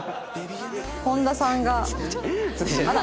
本田さんがあら。